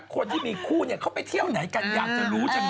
คนที่มีคู่เนี่ยเขาไปเที่ยวไหนกันอยากจะรู้จังเลย